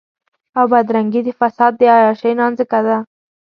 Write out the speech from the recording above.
او بدرنګي د فساد د عياشۍ نانځکه ده.